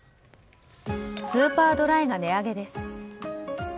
スーパードライが値上げです。